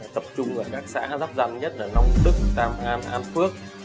tập trung ở các xã rắp rằn nhất là long đức tam an an phước